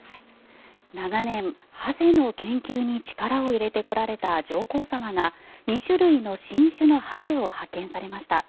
長年ハゼの研究に力を入れてこられた上皇さまが２種類の新種のハゼを発見されました。